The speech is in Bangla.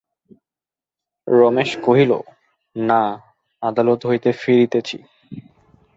রমেশ কহিল, না, আদালত হইতে ফিরিতেছি।